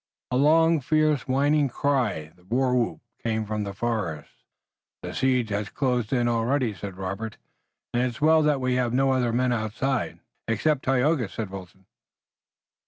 A long fierce whining cry, the war whoop, came from the forest. "The siege has closed in already," said Robert, "and it's well that we have no other men outside." "Except Tayoga," said Wilton.